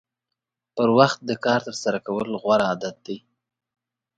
پر وخت د کار ترسره کول غوره عادت دی.